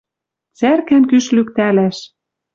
Цӓркӓм кӱш лӱктӓлӓш